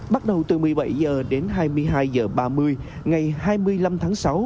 bắt đầu từ một mươi bảy h đến hai mươi hai h ba mươi ngày hai mươi năm tháng sáu